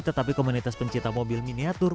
tetapi komunitas pencipta mobil miniatur